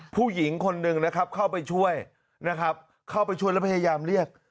ผู้หญิงคนหนึ่งนะครับเข้าไปช่วยนะครับเข้าไปช่วยแล้วพยายามเรียก